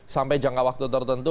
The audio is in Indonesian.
sampai jangka waktu tertentu